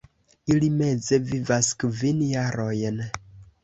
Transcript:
Ili meze vivas kvin jarojn.